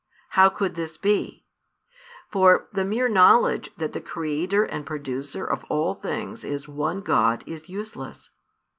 How could this be? For the mere knowledge that the Creator and Producer of all things is One God is useless.